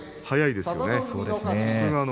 速いですね。